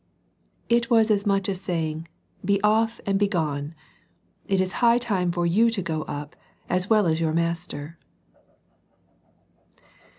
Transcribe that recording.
It was as much as saying, " Be off and begone ! It is high time for you to go up, as well as your master."